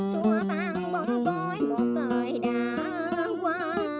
xua tan bóng tối một thời đã qua